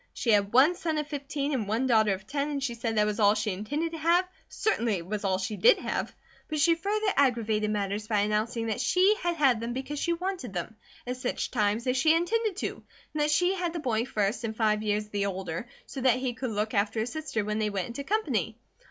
She had one son of fifteen and one daughter of ten, and she said that was all she intended to have, certainly it was all she did have; but she further aggravated matters by announcing that she had had them because she wanted them; at such times as she intended to; and that she had the boy first and five years the older, so that he could look after his sister when they went into company.